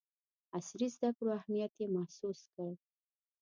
عصري زدکړو اهمیت یې محسوس کړ.